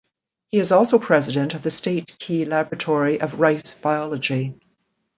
He is also president of the State Key Laboratory of Rice Biology.